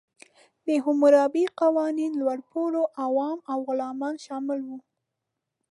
د حموربي قوانین لوړپوړو، عوام او غلامان شامل وو.